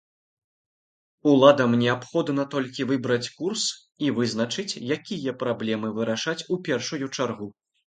Уладам неабходна толькі выбраць курс і вызначыць, якія праблемы вырашаць у першую чаргу.